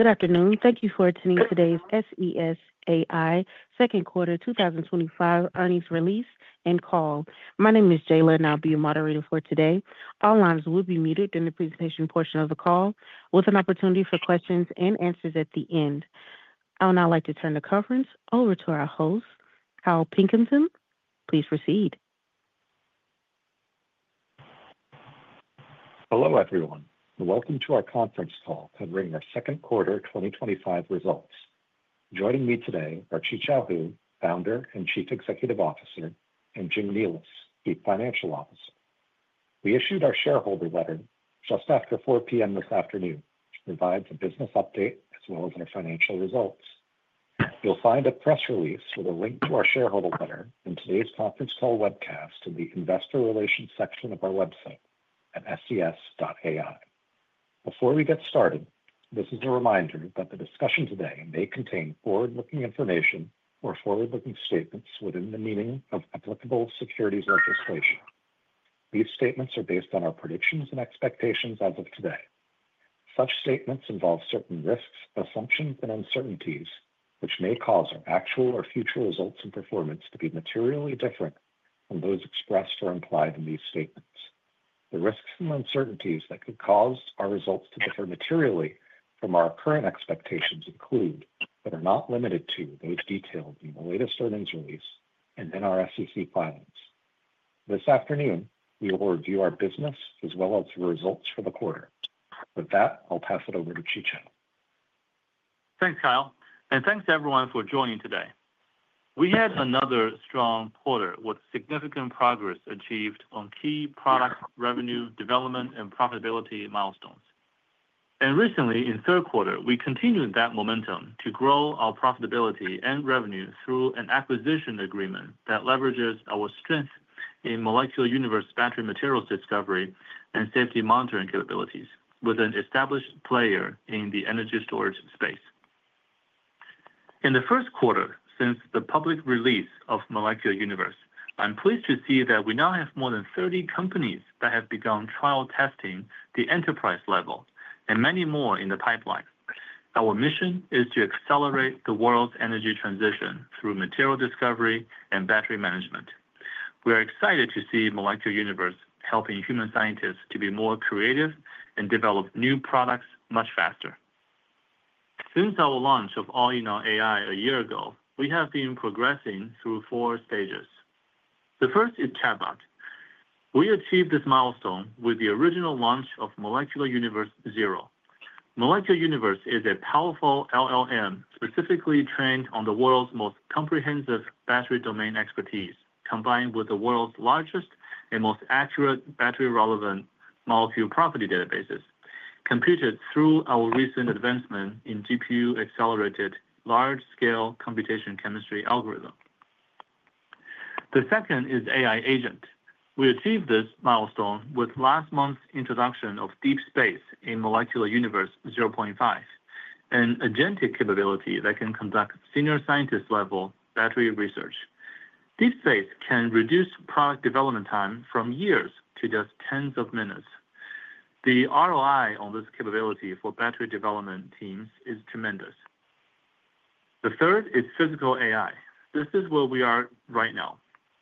Good afternoon. Thank you for attending today's SES AI Second Quarter 2025 Earnings Release and Call. My name is Jayla, and I'll be your moderator for today. All lines will be muted during the presentation portion of the call, with an opportunity for questions and answers at the end. I would now like to turn the conference over to our host, Kyle Pilkington. Please proceed. Hello, everyone. Welcome to our Conference Call covering our Second Quarter 2025 Results. Joining me today are Qichao Hu, Founder and Chief Executive Officer, and Jing Nealis, Chief Financial Officer. We issued our shareholder letter just after 4:00 P.M. this afternoon and provided a business update as well as our financial results. You'll find a press release with a link to our shareholder letter and today's conference call webcast in the investor relations section of our website at ses.ai. Before we get started, this is a reminder that the discussion today may contain forward-looking information or forward-looking statements within the meaning of applicable securities legislation. These statements are based on our predictions and expectations as of today. Such statements involve certain risks, assumptions, and uncertainties which may cause our actual or future results and performance to be materially different from those expressed or implied in these statements. The risks and uncertainties that could cause our results to differ materially from our current expectations include but are not limited to those detailed in the latest earnings release and in our SEC filings. This afternoon, we will review our business as well as your results for the quarter. With that, I'll pass it over to Qichao. Thanks, Kyle, and thanks to everyone for joining today. We had another strong quarter with significant progress achieved on key product revenue development and profitability milestones. Recently, in the third quarter, we continued that momentum to grow our profitability and revenue through an acquisition agreement that leverages our strength in Molecular Universe battery materials discovery and safety monitoring capabilities with an established player in the energy storage space. In the first quarter since the public release of Molecular Universe, I'm pleased to see that we now have more than 30 companies that have begun trial testing at the enterprise level and many more in the pipeline. Our mission is to accelerate the world's energy transition through material discovery and battery management. We are excited to see Molecular Universe helping human scientists to be more creative and develop new products much faster. Since our launch of All-in on AI a year ago, we have been progressing through four stages. The first is chatbot. We achieved this milestone with the original launch of Molecular Universe 0. Molecular Universe is a powerful LLM specifically trained on the world's most comprehensive battery domain expertise, combined with the world's largest and most accurate battery-relevant molecule property databases, computed through our recent advancement in GPU-accelerated large-scale computation chemistry algorithm. The second is AI Agent. We achieved this milestone with last month's introduction of Deep Space in Molecular Universe 0.5, an agentic capability that can conduct senior scientist-level battery research. Deep Space can reduce product development time from years to just tens of minutes. The ROI on this capability for battery development teams is tremendous. The third is Physical AI. This is where we are right now.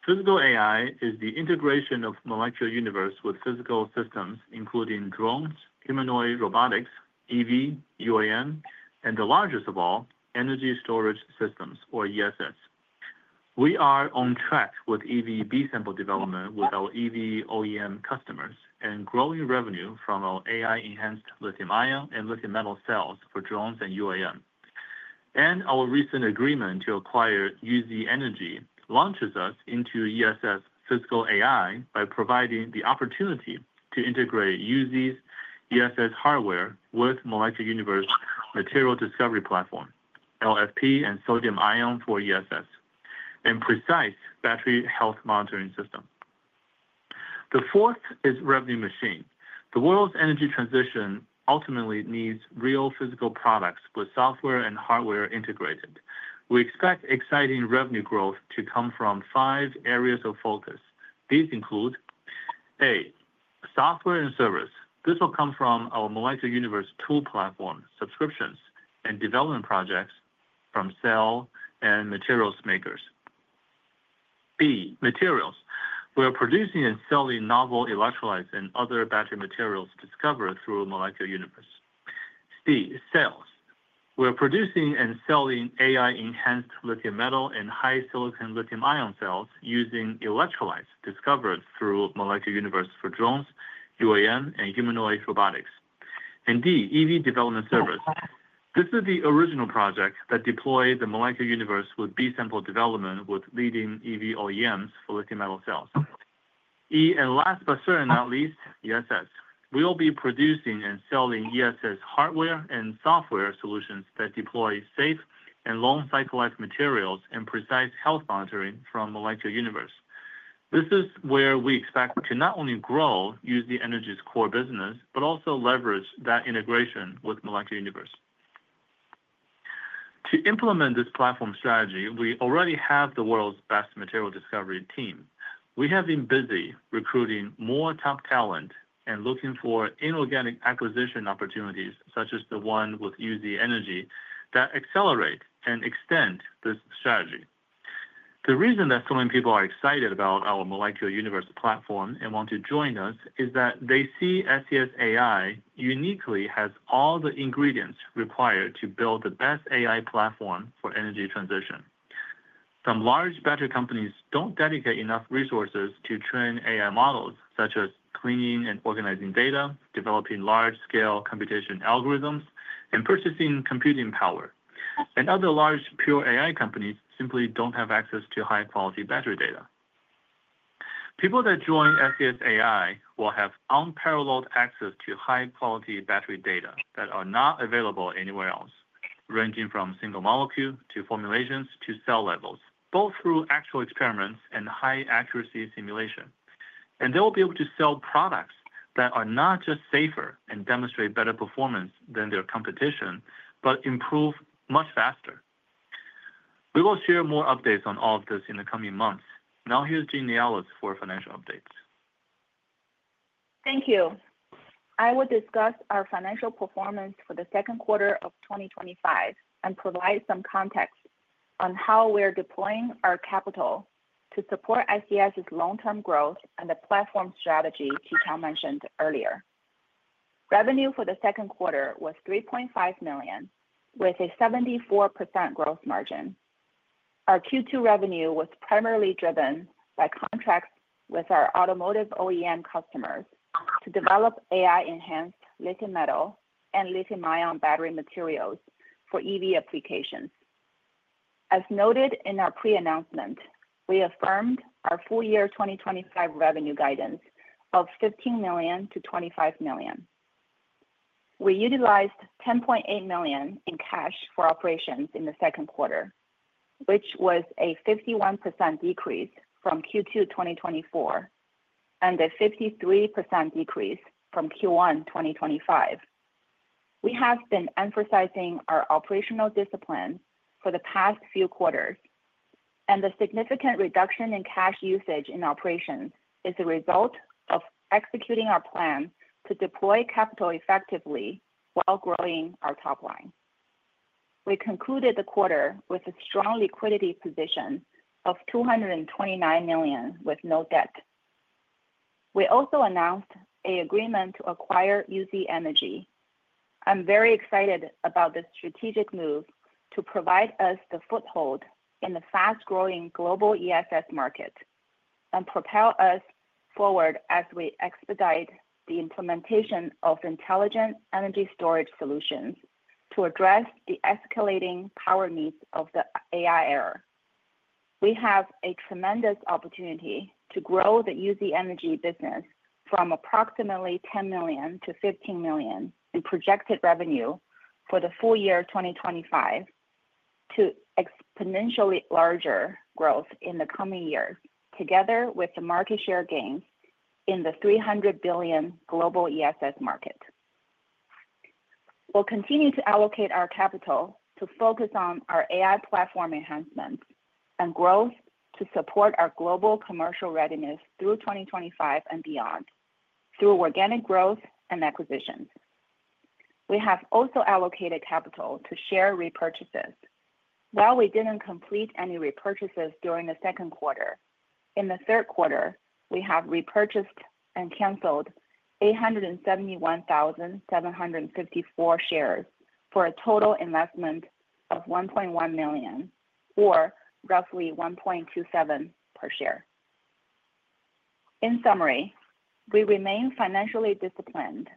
Physical AI is the integration of Molecular Universe with physical systems, including drones, humanoid robotics, EV, UAM, and the largest of all, energy storage systems, or ESS. We are on track with EV B-sample development with our EV OEM customers and growing revenue from our AI-enhanced lithium-ion and lithium metal cells for drones and UAM. Our recent agreement to acquire UZ Energy launches us into ESS physical AI by providing the opportunity to integrate UZ's ESS hardware with Molecular Universe material discovery platform, LFP and sodium-ion for ESS, and precise battery health monitoring system. The fourth is revenue machine. The world's energy transition ultimately needs real physical products with software and hardware integrated. We expect exciting revenue growth to come from five areas of focus. These include: A, software and service. This will come from our Molecular Universe platform, subscriptions, and development projects from cell and materials makers. B, materials. We are producing and selling novel electrolytes and other battery materials discovered through Molecular Universe. C, cells. We are producing and selling AI-enhanced lithium metal and high silicon lithium-ion cells using electrolytes discovered through Molecular Universe for drones, UAM, and humanoid robotics. D, EV development service. This is the original project that deployed the Molecular Universe with B-sample development with leading EV OEMs for lithium metal cells. E, and last but certainly not least, ESS. We will be producing and selling ESS hardware and software solutions that deploy safe and long-cycle life materials and precise health monitoring from Molecular Universe. This is where we expect to not only grow UZ Energy's core business, but also leverage that integration with Molecular Universe. To implement this platform strategy, we already have the world's best material discovery team. We have been busy recruiting more top talent and looking for inorganic acquisition opportunities, such as the one with UZ Energy, that accelerate and extend this strategy. The reason that so many people are excited about our Molecular Universe platform and want to join us is that they see SES AI uniquely has all the ingredients required to build the best AI platform for energy transition. Some large battery companies don't dedicate enough resources to train AI models, such as cleaning and organizing data, developing large-scale computation algorithms, and purchasing computing power. Other large pure AI companies simply don't have access to high-quality battery data. People that join SES AI will have unparalleled access to high-quality battery data that are not available anywhere else, ranging from single molecule to formulations to cell levels, both through actual experiments and high-accuracy simulation. They will be able to sell products that are not just safer and demonstrate better performance than their competition, but improve much faster. We will share more updates on all of this in the coming months. Now here's Jing Nealis for financial updates. Thank you. I will discuss our financial performance for the Second Quarter of 2025 and provide some context on how we are deploying our capital to support SES's long-term growth and the platform strategy Qichao mentioned earlier. Revenue for the Second Quarter was $3.5 million, with a 74% gross margin. Our Q2 revenue was primarily driven by contracts with our automotive OEM customers to develop AI-enhanced lithium metal and lithium-ion battery materials for EV applications. As noted in our pre-announcement, we affirmed our full-year 2025 revenue guidance of $15 million-$25 million. We utilized $10.8 million in cash for operations in the second quarter, which was a 51% decrease from Q2 2024 and a 53% decrease from Q1 2025. We have been emphasizing our operational discipline for the past few quarters, and the significant reduction in cash usage in operations is a result of executing our plan to deploy capital effectively while growing our top line. We concluded the quarter with a strong liquidity position of $229 million with no debt. We also announced an agreement to acquire UZ Energy. I'm very excited about this strategic move to provide us the foothold in the fast-growing global ESS market and propel us forward as we expedite the implementation of intelligent energy storage solutions to address the escalating power needs of the AI era. We have a tremendous opportunity to grow the UZ Energy business from approximately $10 million to $15 million in projected revenue for the full year 2025 to exponentially larger growth in the coming years, together with the market share gain in the $300 billion global ESS market. We'll continue to allocate our capital to focus on our AI platform enhancements and growth to support our global commercial readiness through 2025 and beyond, through organic growth and acquisitions. We have also allocated capital to share repurchases. While we didn't complete any repurchases during the second quarter, in the third quarter, we have repurchased and canceled 871,754 shares for a total investment of $1.1 million, or roughly $1.27 per share. In summary, we remain financially disciplined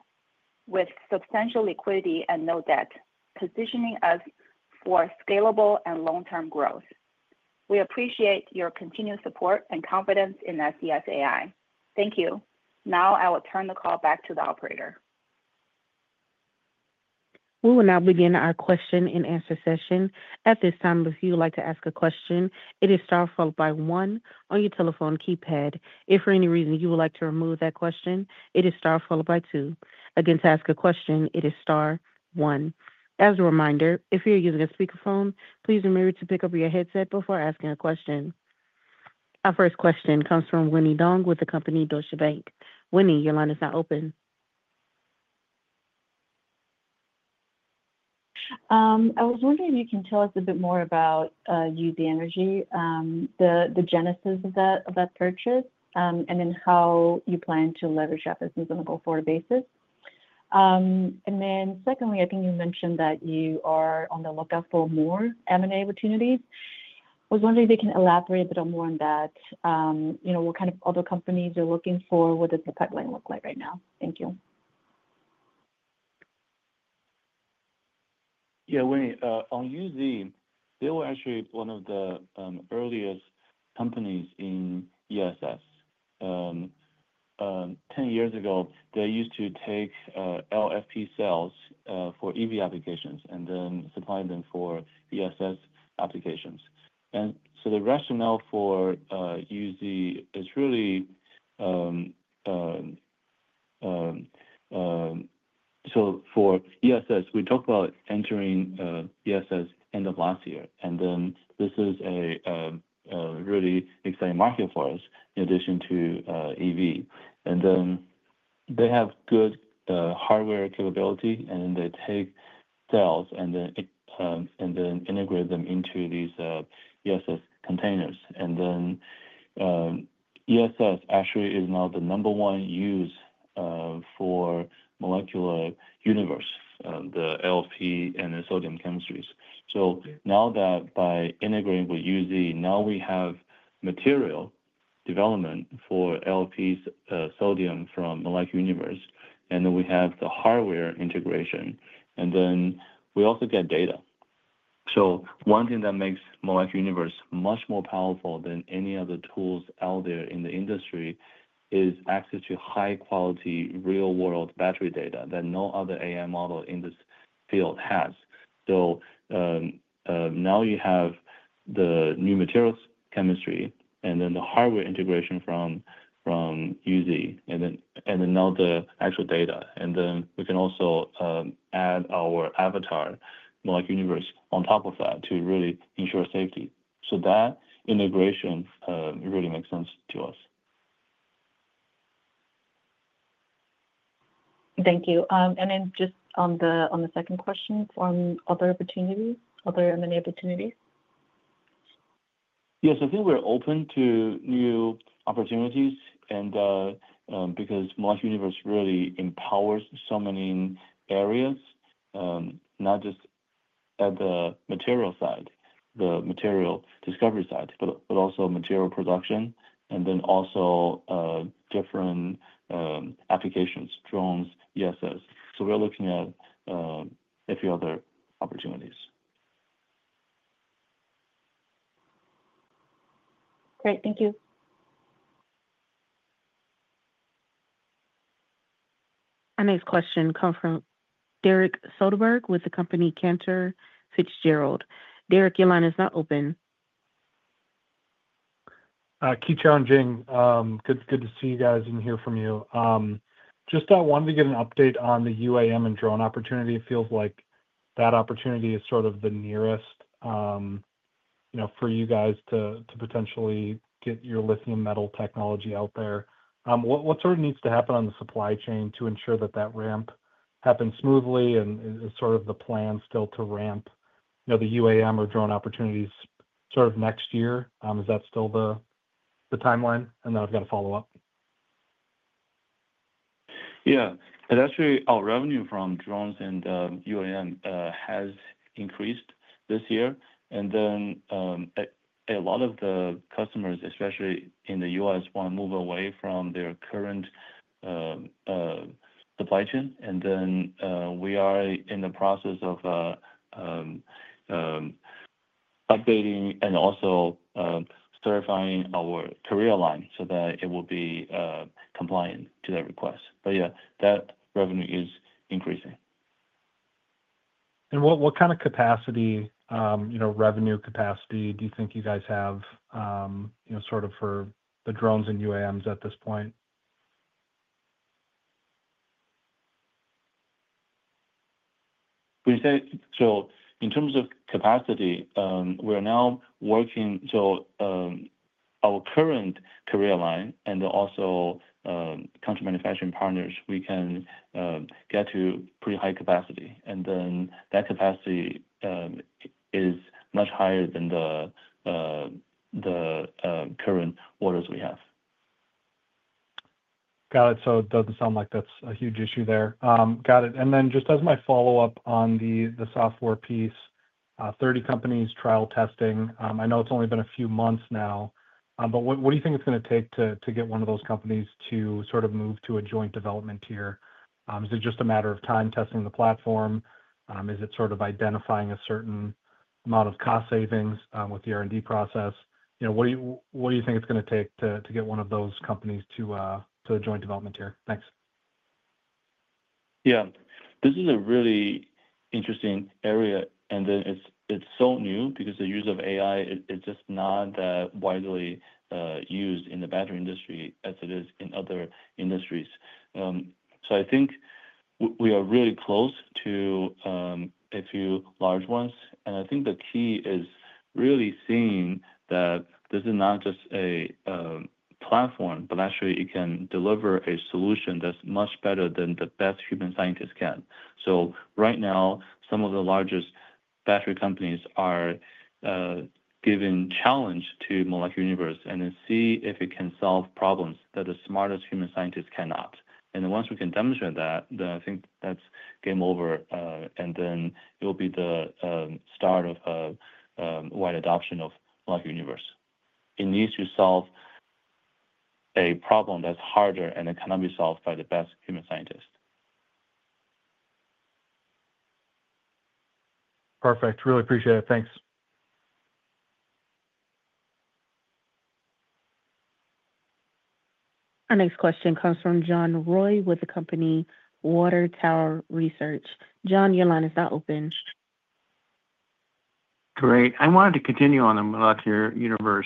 with substantial liquidity and no debt, positioning us for scalable and long-term growth. We appreciate your continued support and confidence in SES AI. Thank you. Now I will turn the call back to the operator. We will now begin our question-and-answer session. At this time, if you would like to ask a question, it is star followed by one on your telephone keypad. If for any reason you would like to remove that question, it is star followed by two. Again, to ask a question, it is star one. As a reminder, if you're using a speakerphone, please remember to pick up your headset before asking a question. Our first question comes from Winnie Dong with the company Deutsche Bank. Winnie, your line is now open. I was wondering if you can tell us a bit more about UZ Energy, the genesis of that purchase, and how you plan to leverage that business on a go-forward basis. Secondly, I think you mentioned that you are on the lookout for more M&A opportunities. I was wondering if you can elaborate a bit more on that. You know, what kind of other companies you're looking for, what does the pipeline look like right now? Thank you. Yeah, Winnie, on UZ, they were actually one of the earliest companies in ESS. Ten years ago, they used to take LFP cells for EV applications and then supply them for ESS applications. The rationale for UZ is really, for ESS, we talked about entering ESS end of last year, and this is a really exciting market for us in addition to EV. They have good hardware capability, and they take cells and integrate them into these ESS containers. ESS actually is now the number one use for Molecular Universe, the LFP and the sodium chemistries. Now that by integrating with UZ, we have material development for LFP sodium from Molecular Universe, and we have the hardware integration, and we also get data. One thing that makes Molecular Universe much more powerful than any other tools out there in the industry is access to high-quality real-world battery data that no other AI model in this field has. Now you have the new materials chemistry and the hardware integration from UZ, and now the actual data. We can also add our avatar, Molecular Universe, on top of that to really ensure safety. That integration really makes sense to us. Thank you. On the second question, for other opportunities, other M&A opportunities? Yes, I think we're open to new opportunities because Molecular Universe really empowers so many areas, not just at the material side, the material discovery side, but also material production, and then also different applications, drones, ESS. We're looking at a few other opportunities. Great. Thank you. Our next question comes from Derek Soderberg with the company Cantor Fitzgerald. Derek, your line is now open. Jing, good to see you guys and hear from you. I wanted to get an update on the UAM and drone opportunity. It feels like that opportunity is sort of the nearest for you guys to potentially get your lithium metal technology out there. What needs to happen on the supply chain to ensure that ramp happens smoothly? Is the plan still to ramp the UAM or drone opportunities next year? Is that still the timeline? I've got a follow up. Actually, our revenue from drones and UAM has increased this year. A lot of the customers, especially in the U.S., want to move away from their current supply chain. We are in the process of updating and also certifying our carrier line so that it will be compliant to that request. That revenue is increasing. What kind of capacity, you know, revenue capacity do you think you guys have, you know, sort of for the drones and UAMs at this point? In terms of capacity, we are now working, our current career line and also contract manufacturing partners, we can get to pretty high capacity. That capacity is much higher than the current orders we have. Got it. It doesn't sound like that's a huge issue there. Got it. Just as my follow-up on the software piece, 30 companies trial testing. I know it's only been a few months now, but what do you think it's going to take to get one of those companies to sort of move to a joint development tier? Is it just a matter of time testing the platform? Is it sort of identifying a certain amount of cost savings with the R&D process? What do you think it's going to take to get one of those companies to a joint development tier? Thanks. Yeah, this is a really interesting area. It's so new because the use of AI is just not that widely used in the battery industry as it is in other industries. I think we are really close to a few large ones. I think the key is really seeing that this is not just a platform, but actually it can deliver a solution that's much better than the best human scientists can. Right now, some of the largest battery companies are giving challenge to Molecular Universe and seeing if it can solve problems that the smartest human scientists cannot. Once we can demonstrate that, I think that's game over. It will be the start of a wide adoption of Molecular Universe. It needs to solve a problem that's harder and it cannot be solved by the best human scientists. Perfect. Really appreciate it. Thanks. Our next question comes from John Roy with the company Water Tower Research. John, your line is now open. Great. I wanted to continue on the Molecular Universe.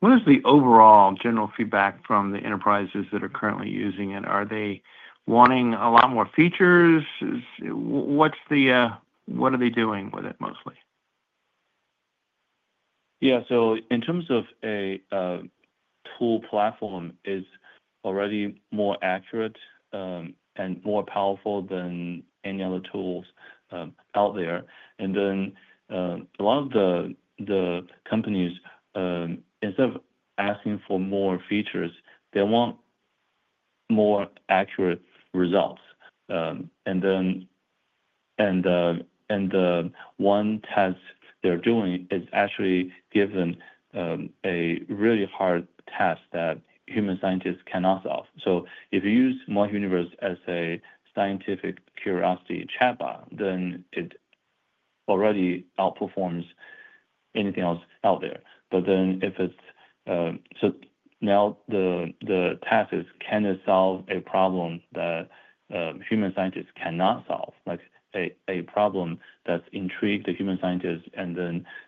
What is the overall general feedback from the enterprises that are currently using it? Are they wanting a lot more features? What are they doing with it mostly? Yeah, in terms of a full platform, it's already more accurate and more powerful than any other tools out there. A lot of the companies, instead of asking for more features, want more accurate results. One test they're doing is actually giving a really hard task that human scientists cannot solve. If you use Molecular Universe as a scientific curiosity chatbot, it already outperforms anything else out there. The task now is can it solve a problem that human scientists cannot solve, like a problem that's intrigued the human scientists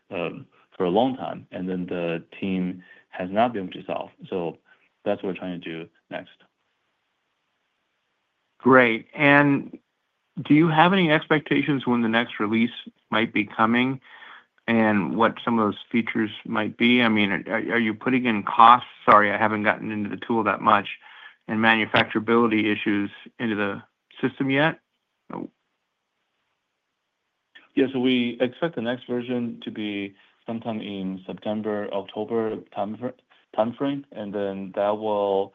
for a long time and the team has not been able to solve. That's what we're trying to do next. Great. Do you have any expectations when the next release might be coming and what some of those features might be? Are you putting in costs? Sorry, I haven't gotten into the tool that much and manufacturability issues into the system yet. We expect the next version to be sometime in the September, October timeframe, and that will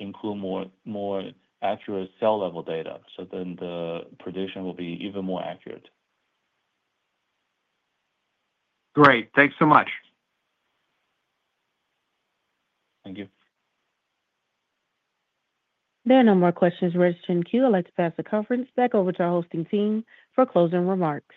include more accurate cell level data. The prediction will be even more accurate. Great. Thanks so much. Thank you. There are no more questions registering in the queue. I'd like to pass the conference back over to our hosting team for closing remarks.